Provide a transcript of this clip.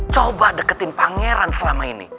coba deketin pangeran selama ini